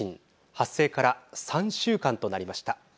発生から３週間となりました。